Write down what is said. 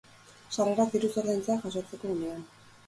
Sarrerak diruz ordaintzea jasotzeko unean.